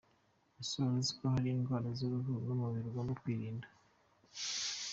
Ese waruziko hari indwara z’uruhu n’umubiri ugomba kwirinda?